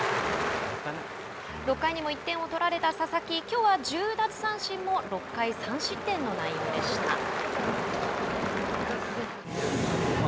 ６回にも１点を取られた佐々木きょうは１０奪三振も６回３失点の内容でした。